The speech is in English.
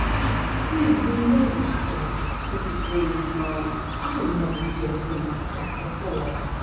"What will the neighbors say?" Mrs. Weems moaned. "I never did a thing like that before.